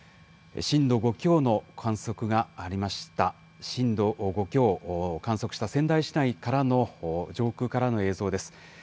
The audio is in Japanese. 震度５強の観測がありました、震度５強を観測した仙台市内からの上空からの映像です。